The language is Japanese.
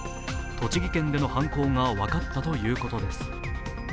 栃木県での犯行が分かったということです。